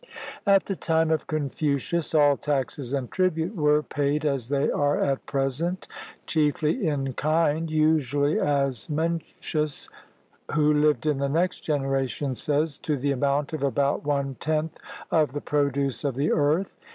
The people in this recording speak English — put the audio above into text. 25 CHINA At the time of Confucius all taxes and tribute were paid as they are at present, chiefly in kind — usually, as Mencius, who lived in the next generation, says, to the amount of about one tenth of the produce of the earth.